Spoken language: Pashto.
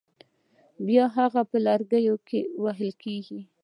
بیا هغه په لرګي وهل کېږي.